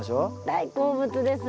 大好物です。